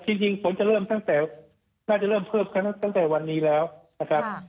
จริงฝนจะเริ่มตั้งแต่น่าจะเริ่มเพิ่มตั้งแต่วันนี้แล้วนะครับ